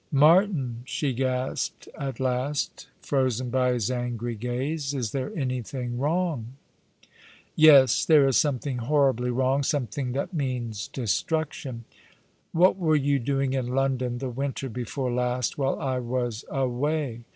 *' Martin," she gasped at last, frozen by his angry gaze, "is there anything wrong ?"" Yes, there is something horribly wrong— something that means destruction. "What were you doing in London the winter before last, while I was away?